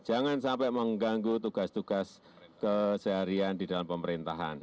jangan sampai mengganggu tugas tugas keseharian di dalam pemerintahan